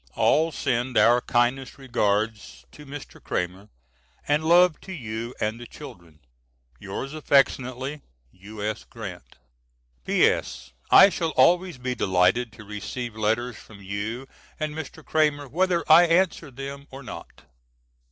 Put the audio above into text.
All send our kindest regards to Mr. Cramer, and love to you and the children. Yours affectionately, U.S. GRANT. P.S. I shall always be delighted to receive letters from you and Mr. Cramer whether I answer them or not.